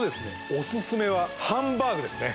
おすすめはハンバーグですね